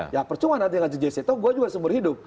ya percuma nanti ngaji jc atau gue juga seumur hidup